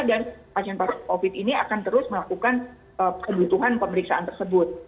dan pasien pasien covid ini akan terus melakukan kebutuhan pemeriksaan tersebut